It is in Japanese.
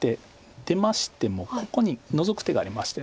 出ましてもここにノゾく手がありまして。